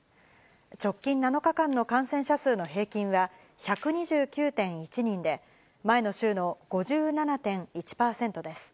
直近７日間の感染者数の平均は１２９．１人で、前の週の５７．１％です。